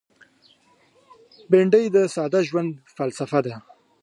بېنډۍ د ساده ژوند فلسفه ده